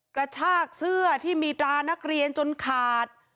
กระชากเสื้อที่มีตรานักเรียนจนขาด